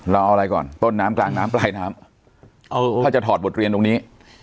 เราเอาอะไรก่อนต้นน้ำกลางน้ำปลายน้ำถ้าจะถอดบทเรียนตรงนี้